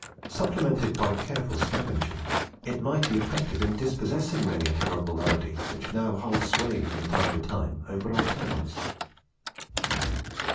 Supplemented by careful scavengering, it might be effective in dispossessing many a terrible malady which now holds sway from time to time over our towns.